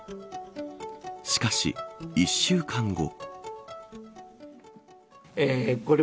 しかし、１週間後。